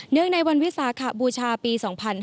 เนื่องในวันวิสาขบูชาปี๒๕๕๙